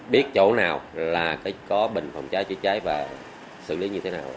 biết chỗ nào là có bình phòng cháy chữa cháy và xử lý như thế nào